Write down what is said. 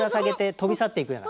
飛び去っていくような。